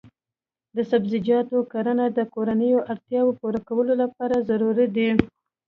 د سبزیجاتو کرنه د کورنیو اړتیاوو پوره کولو لپاره ضروري ده.